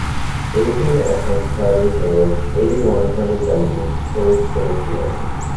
Eighteen, Acampadou road, eighty-one, hundred seventy, Cordes-sur-Ciel